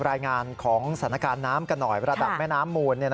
รายงานของสถานการณ์น้ำกันหน่อยระดับแม่น้ำมูล